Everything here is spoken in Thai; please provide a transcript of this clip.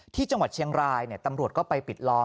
ที่จังหวัดเชียงรายตำรวจก็ไปปิดล้อม